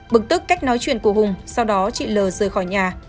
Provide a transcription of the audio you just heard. bực tức cách nói chuyện của hùng sau đó chị l rời khỏi nhà